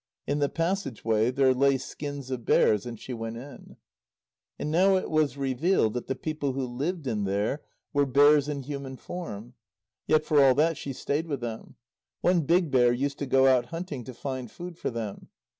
In the passage way there lay skins of bears. And she went in. And now it was revealed that the people who lived in there were bears in human form. Yet for all that she stayed with them. One big bear used to go out hunting to find food for them.